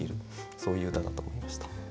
そういう歌だと思いました。